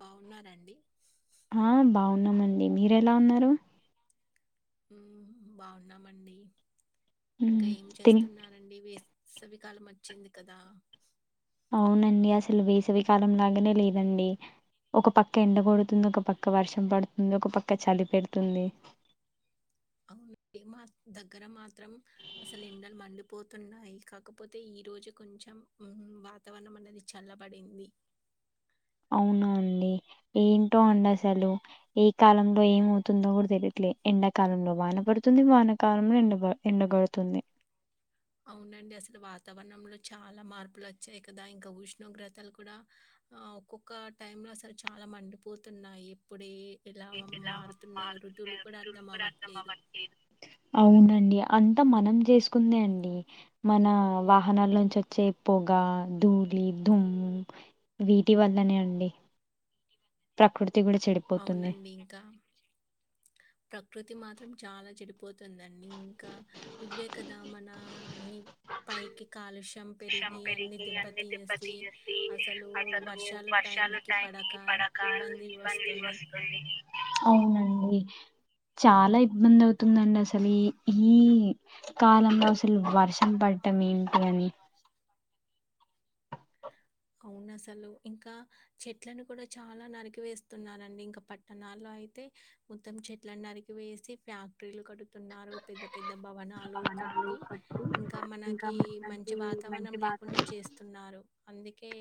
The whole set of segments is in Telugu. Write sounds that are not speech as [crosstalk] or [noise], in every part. బాగున్నారంండి ఉన్నామండి మీర ఎలా ఉన్నారు బాగున్నామండి ఇంకా హ్మ్ ఏం తిని చేస్తున్నారంండి వే సవిికాలం వచ్చింది కదా అవునండి అసలు వేసవికాలం లాగానే లేదండి ఒక పక్క ఎండ కొడుతుంది ఒక పక్క వర్షం పడుతుంది ఒక పక్క చలి పెడుతుంది అవునండి. దగ్గర మాత్రం అసలు ఇండలు మండిపోతున్నాయి కాకపోతే ఈ రోజు కొంచెం కొంచం వాతావరణం అనేది చల్లబడింది అవున అండి ఏంటో అండి అసలు ఏ కాలంలో ఏమవుతుందో కూడా తెలుయదు ఎండాకాలంలో వాన పడుతుంది వానకాలంలో ఎండ ఎండగడుతుంది అవునండి అసలు వాతావరణంలో చాలా మార్పులు వచ్చాయి కదా ఇంకా ఉష్ణోగ్రతలు కూడా ఆ ఒక్కొక్క టైమ్ లో అసలు చాలా మండిపోతున్నాయి ఎప్పుడే లా మారుతు రఋలు కూడా అర్థం అవ్వ అవునండి అంతా మనం చేసుకుందే అండి మన వాహనాల నుంచి వచ్చే పొగ దూ దధుమ్ వీటి వల్లనే అండి ప్రకృతి కూడా చెడిపోతుంది అవునండి. ఇంకా ప్రకృతి మాత్రం చాలా చెడిపోతుందండి ఇంకా ఇవే కదా మన అన్ని పైకి కాలుష్యం షం పెరిగి అన్ని దెబ్బతీసి అసలు వర్షాలు టైం కి పడక ఇబ్బంది వస్ అవునండి చాలా ఇబ్బంది అవుతుందండి అసలు ఈ ఈ కాలంలో అసలు వర్షం పడ్ డం ఏంటి అని అవును అసలు ఇంకా చెట్లను కూడా చాలా నరికి వేస్తున్నారండి ఇంకా పట్టణాల్లో అయి తే మొత్తం చెట్లను నరికి వేసి ఫ్యాక్టరీలు కడుతున్నారు పెద్ద పెద్ పెద్ద భవనాలు కట్టి ఇంకా ఇంకా మనకి మంచి మనకి మంచి వాతావరణం లేకుండా చేస్తున్నారు నారు అందుకే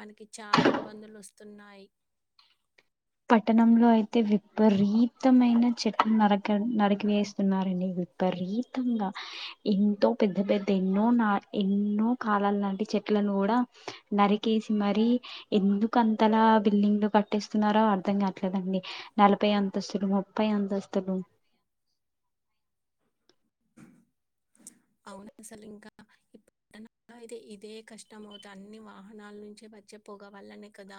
మనకి చాలా ఇబ్బందులు వస్తున్నాయి పట్టణంలో అయితే విపరీతమైన చెట్లు నరక నరికి వేస్తున్నారండి వి విపరీతంగా ఎంతో పెద్ద పెద్ద ఎన్నో నా ఎన్నో కాలాల నాటి చెట్ల కూడా నరికేసి మరి ఎందుకు అంతలా బిల్డింగ్లు కట్టేస్తున్నారు ఆ అర్ధం కాట్లేదండి నలభై అంతస్తులు ముప్పై అంతస్తులు అవును అసలు ఇంకా పట్టణాల్లో అయితే ఇదే కష్టం అవుత అన్ని వాహనాల నుంచి వచ్చే పొగ వల్లనే కదా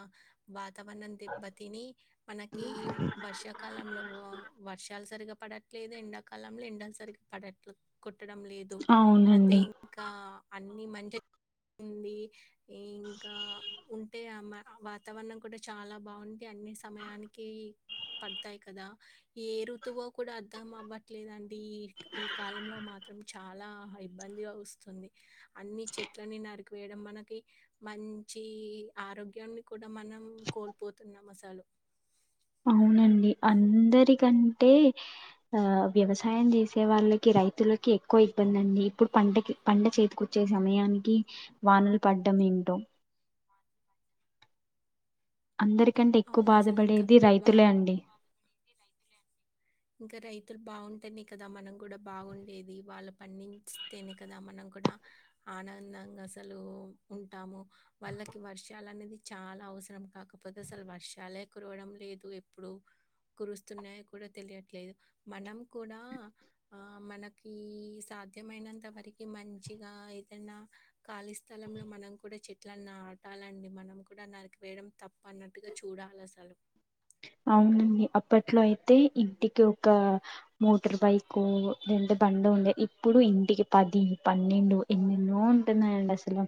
బ వాతావరణం దెబ్బతిని మనకి వర్షాకాలంలో వర్షాలు సరిగా పడట్లేదు ఎండాకాలంలో ఎండల్ సరిగా పడట్ల కొట్టడం లే దు అదే అవునండి ఇంకా అన్ని మంచి ఉంది ఇంకా ఉంటే ఆ వాతావరణం కూడా చాలా బాగుంది అ అన్ని సమయానికీ పడతాయి కదా ఏ ఋతువో కూడా అర్థం అవ్వట్లేదండి ఈ ఈ కాలంలో మాత్రం చాలా ఇబ్బందిగా వస్తుంది అన్ని చెట్లని నరికివేయడం మనకి మన్ చి ఆరోగ్యాన్ని కూడా మనం కోల్పోతున్నాం అసలు అవునండి అందరికం టే ఆ వ్యవసాయం చేసే వాళ్ళకి రైతులకి ఎక్కువ ఇబ్బంది అండి ఇప్పుడు పంటకి పంట చేతికొచ్చే సమయానికి వానలు పడ్డం ఏంటో అందరికంటే ఎక్కువ అవును అసలు ఇంకా బాధపడేది వా రైతులే అండి తనూ బాగుంటేనే కదా మనం కూడా బాగుండేది వాళ్ళు పండిస్తేనే కదా మనం కూడా ఆనందంగా అసలు ఉంటాము వాళ్ళకి వర్షాలు అనేది చాలా అవసరం కాకపోతే అసలు వర్షాలే కురవడం లేదు ఎప్పుడు కురుస్తున్నాయో కూడా తెలియట్లేదు మనం కూడా ఆ మనకి స సాధ్యమైనంత వరకి మంచిగా ఏదన్నా ఖాళీ స్థలంలో మనం కూడా చెట్లని న్నా టాలండి మనం కూడా నరికి వేయడం తప్పు అన్నట్టుగా చూడాలి అసలు ఇప్పట్లో అయితే ఇంటికి ఒక మోటార్ బైక్ లేదంటే బండి ఉండే ఇప్పుడు ఇంటికి పది పన్నెండు ఎన్నెన్నో ఉంటున్నాయండి అసలు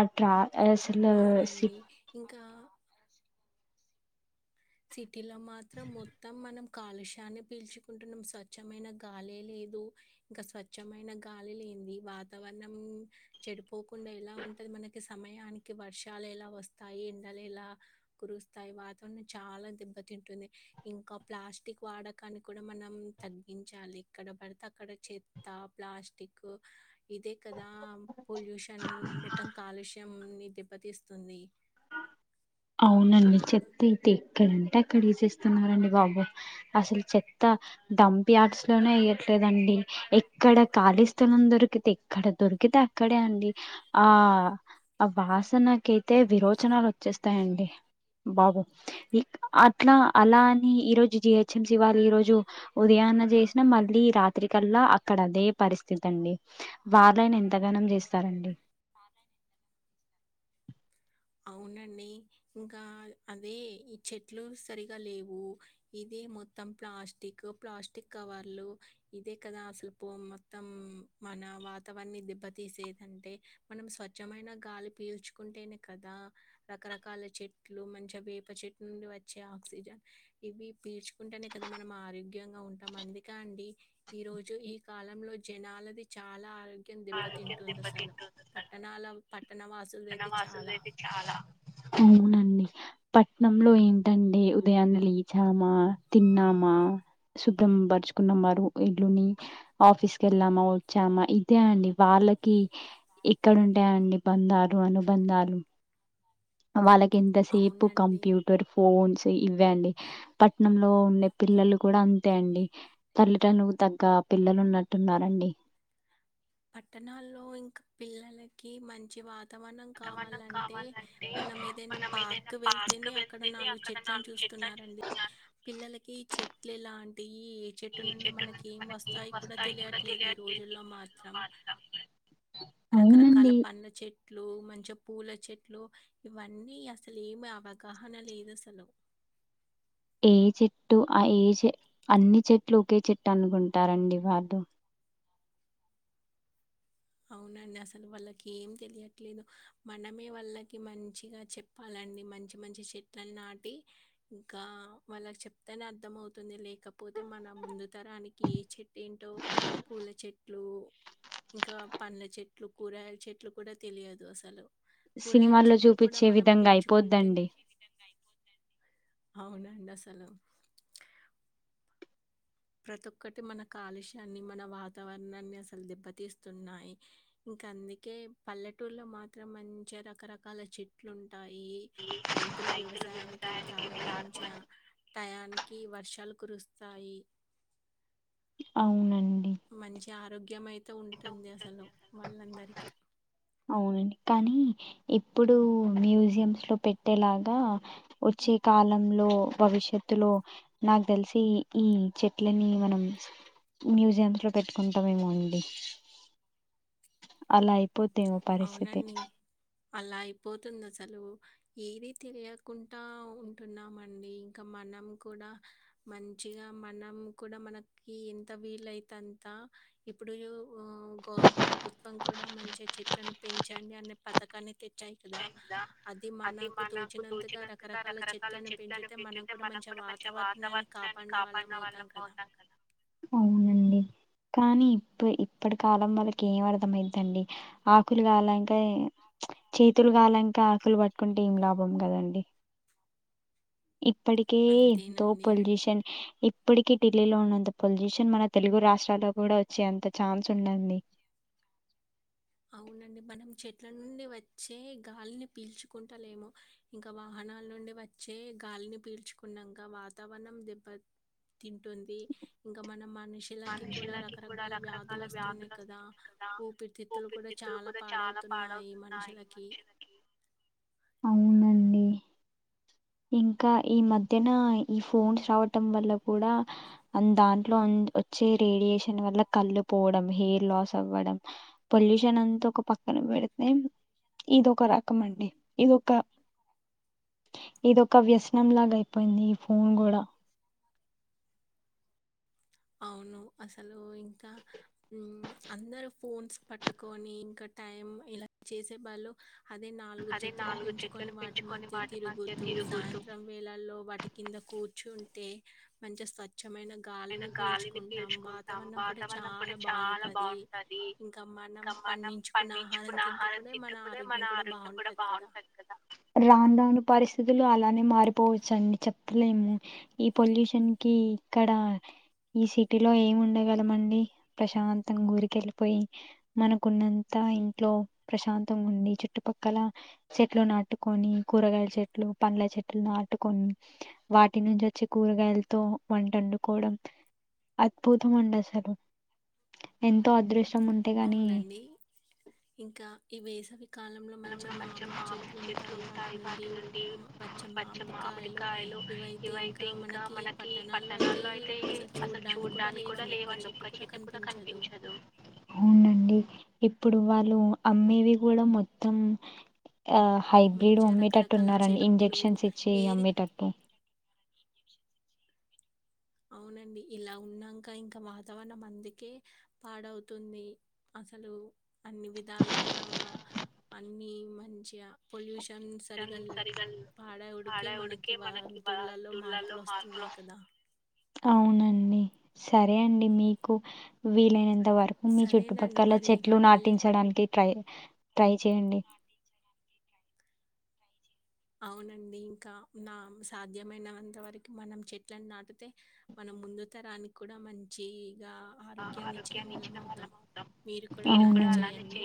అట్లా అవునండి ఇంకా సిటీ లో మాత్రం మొత్తం మనం కాలుష్యాన్నే పీల్చుకుంటున్నాం స్వచ్ఛమైన గాలే లే దు ఇంక స్వచ్ఛమైన గాలి లేంది వాతావరణం చెడిపోకుండా ఎలా ఉంట మనకి సమయానికి వర్షాలు ఎలా వస్తాయి ఎండలు ఎలా కురుస్తాయి వాతావరణం చాలా దెబ్బతింటుంది ఇంకా ప్లాస్టిక్ వాడకాన్ని కూడా మనం తగ్గించాలి ఇక్కడ ఎక్కడ పడితే అక్కడ చెత్త ప్లాస్టిక్ ఇదే కదా పొల్యూషన్ మొత్తం కాలుష్యం [unintelligible] తిస్తుంది అవునండి చెత్త అయితే ఎక్కడంటే అక్కడ ఏసేస్తున్నారండి బాబు అసలు చెత్త డంప్ యార్డ్స్ లోనే వేయట్లేదండి ఎక్కడ ఖాళీ స్థలం దొరికితే ఎక్కడ దొ అకతే అక్కడే అండి ఆ వాసనకయితే విరోచనాలు వచ్చేస్త్ తండి బాబు వి అ ఇట్లా అలా అని ఈ రోజు జిహెచ్ఎంసి వాళ్ళు ఈ రోజు ఉదయాన్నే చేసినా మళ్ళీ రా రాత్రికల్లా అక్కడ అదే పరిస్థితి తిటండి వాళ్ళైనా ఎంత గనం చేస్తారండి అవునండి ఇంకా అదే ఈ చెట్లు సరిగా లేవు ఇదే మొత్తం ప్లాస్టిక్ ప్లాస్టిక్ కవర్లు ఇదే కదా అసలు పో మొ మొత్తం మన వాతావరణన్ని దిబ్బతీసేదంటే మనం స్వచ్ఛమైన గాలి పీల్చుకుం అంటే కదా రకరకాల చెట్లు మంచి వేప చెట్టు నుండి వచ్చే ఆక్సిజన్ ఇవి పీల్చుకుంటేనే కదా మనం ఆరోగ్యంగా ఉంటాం అందుక అండి ఈ రోజు ఈ కాలంలో జనాలది చాలా ఆరోగ్యం దెబ్బతింటుంది అసలు పట్టణాల పట్టణ వాసుల వాసులు అయితే చాలా అవునండి పట్నంలో ఏంటంటే ఉదయాన్న లేలీచామా తిన్నామా సుబ్రంబర్ చచుకున్నా వారు ఇల్లుని ఆఫీస్ క వెళ్ళామా వచ్చామా ఇదే అండి వాళ్ళకి ఇక్కడంటాయంండి బందారు అని బంధాలు వాళ్ళకి ఎంతసేపు అవునండి కంప్యూటర్ ఫోన్స్ ఇవ్వండి పట్ణంలో ఉండే పిల్లలు కూడా అంతే అండి పల్లెటలు తగ్గ పిల్లలు ఉన్నట్టు ున్నారండి పట్టణాల్లో ఇంకా పిల్లలకి మంచి వా వాతవరనం మనం కావాలంటే కావాలంటే మనం ఏదైనా మనం ఏదైనా పార్క్ పార్క్ వెళ్తేనే అక్కడ వెళ్ళి నాలుగు అక్కడ చెట్లలను నాలుగు చూస్త స్తున్నారండి చూడడానికి పిల్లలకి చెట్లు ఎలా అంటి ఈ ఏ చెట్టు నుండి మనకి ఏం వస్తాయి కూడా తెలియట్లేదు ఈ రోజు లో మాత్రం వాళ్ళ. రకరకాల అవునండి పండ్ల చెట్టు చెట్లు మంచి పూల చెట్లు ఇవన్నీ అసలు ఏమి అవగాహన లేదు అసలు ఏ చెట్టు ఏ చె అన్ని చెట్లు ఒకే చెట్టు అనుకుంటారండి వాారు అవునండి అసలు వాళ్ళకి ఏం తెలియట్లేదు మనమే వాళ్ళకి మంచిగా చెప్పాలని మంచి మంచి చెట్ని నాటి ఇంకా వాళ్ళకి చెప్తేనే అర్థం అవుతుంది లేకపో క పోతే మన ముందు తరానికి ఏ చెట్టు ఏంటో పూల చెట్లు ఇంకా పండ్ల చెట్లు కూరయల చెట్లు కూడా తెలియదు అసలు కూరగాయల సినిమాల్లో చెట్లు కూడా చూపించే విధంగా అయిపోద్దండి అవునాడా సలం ప్రతి ఒక్కటి మన కాలుష్యాన్ని మన వాతావరణాన్ని అసలు దెబ్బతీస్తున్నాయి ఇంకా అందుకే పల్లెటూరులో మాత్రం మంచి రకరకాల చెట్లు ఉంటాయి రై వ్యక్తులు వ్యవసాయానికి వెళ్తారు మంచి టయానికి వర్షాలు కురుస్తాయి అవునండి మంచి ఆరోగ్యం అయితే ఉంటుంది అసలు వాళ్ళందరికీ కానీ ఎప్పుడు మ లో పెట్టేలా వచ్చ కాలంలో భవిష్యత్తులో నాకు తెలిసి ఈ చెట్లని మనం మ్యూజియమ్స్ లో పెట్టుకుంటామేమో అండి అలా అయిపోతే అవునండి అలా అయిపోతుంది అసలు ఏది తెలియకుండా ఉంటున్నామ అండి ఇంకా మనం కూడా మంచి ఖ మనం కూడా మనకి ఎంత వీలుయి అంత ఇప్పుడు గ ప్రభుత్వం కూడా మంచి చెట్లను పెంచండి అనే పథకాన్ని తెట్టాయి ా అది మనకు తోచినంతగా రకరకాల చెట్లను పెంచుతే మనం కూడా మంచిగా వా వాతావరణాన్ని కాపాడన వాళ్ళ అవుతాం కదా అవునండి కానీ ఇప్పు ఇప్పటి కాలం వాళ్ళకి ఏం అర్థమయితుండి ఆకులు కాలక చేతులు కాలాంక ఆకులు పట్టుకుంటే ఏం లాభం కదండి ఇప్పటికే ఎంతో అంతేనండి. పొల్యూషన్ ఇప్పటికి ఢిల్లీలో ఉన్నంత పొజిషన్ మన తెలుగు రాష్ట్రాల్లో కూడా వచ్చేంత ఛాన్స్ ఉన్నంది అవునండి మనం చెట్ల నుండి వచ్చే గాలిని పీల్చుకుంటలేేమో ఇంకా వాహనాల నుండి వచ్చే గాలిని పీల్చుకున్నాంగా వాతావరణం దెబ్బ తింటుంది ఇంకా మనం మట్ మనుషులకి కూడా రకరకాల వ్యాధులు వస్తున్నాయి్ కదా కదా ఊపిరితి త్తులు కూడా అవి చాలా కూడా చాలా పాడవుతున్నాయి మనుషులకి అవునండి ఇంకా ఈ మధ్యన ఈ ఫోన్స్ రావటం వల్ల కూడా దాంట్లో అమ్ వచ్చే రేడియేషన్ వల్ల కళ్ళు పోవడం హెయిర్ లాస్ అవ్వడం పొల్యూషన్ అంతా ఒక పక్ కన పెడితే ఇదోక రకం అండి ఇదొక ఇదొక వ్యసనం లాగైపోయింది ఈ ఫోన్ కూడా అవును అసలు ఇంకా అందరు మ్ ఫోన్స్ పట్టుకొని ఇంకా టైం ఇలా చేసే వాళ్ళు అదే నాలుగు చెట్లను పెంచుకొని వాటి మధ్య తిరుగుతూ సాయంత్రం వేళల్లో వాటి కింద కూర్ ర్చుంటే మంచిగ స్వచ్ఛమైన గాలిని పీల్చుకుంటాం వాతావరణం కూడా చాలా బాగుంటది ఇంకా మనం పండించు పండించుకున్న ఆహారం తింటుంటే మన ఆరోగ్యం కూడా బాగుంటుంది కదా రాను రాన్ పరిస్థితులు అలానే మారిపోవచ్చు అండి చెప్పలేము ఈ పొల్యూషన్ కి ఇక్కడ ఈ సిటీలో ఎం ఉండగలమండి ప్రశాంతం ఊరికెళ్ళిపోయి మనకున్నంత ఇంట్లో ప్రశాంతంగా ఉండి చుట్టుపక్కల చెట్లు నాటుకొని కూరగాయల చెట్లు ప ంల చెట్లు నాటుకోని వాటి నుంచి వచ్చి కూరగాయలతో వంట వండు కోవడం అద్భుతం ఉండి అసలు ఎంతో అదృష్ట అవునండి ఇంకా ఇవే కాలంలో మంచిగా మామిడి చెట్లు ఉంటాయ్ వాటి నుండి పచ్చ మామిడికాయలు ఇవైతే ఇంకా మనకి పట్టణాల్లో అయితే అసలు చూడ్డానికి కూడా లేవండి ఒక చెట్టు కూడా కనిపించదు అవునం డి ఇప్పుడు వాళ్ళు అమ్మేవి కూడా మొత్తం ఆ హైబ్రిడ్ మంచిగా అమ్మేటట్టు రకరకాల ఉన్నారండి చెట్లు ఇంజెక్షన్స్ ఇచ్చే ఏది అమ్మేటట్టు అవునండి ఇలా ఉనంక ఇంకా వాతావరణం అందుకే పాడవుతుంది అన్ అసలు అన్ని విధాలుగా అన్ని మంచిగ పొల్యూష న్ సరిగా పాడవుడికే మనకి వ ఋతువులలో మార్పులోస్తున్నాయ్ కదా అవునండి సరే అండి మీకు వీలైనంత వ కొన్ని సరేనండి చుట్టుపక్కల మరి చెట్లు మళ్ళీ నాటించడానికి ట్రై ట్రై చెయండి అవునండి ఇంకా నా సాధ్యమైనంత వరకు మనం చెట్లను నాటితే మనం ముందు తరానికి కూడా మంచి గ ఆరోగ్యాన్ని ఇచ్చిన వాళ్ళం అవుతాం మీరు కూడా అలానే చేయండి అవునండి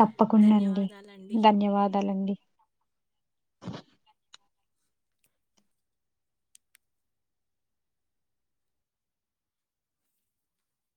తప్పకుండా అండి ధన్యవాదాలండి ధన్యవాదాలండి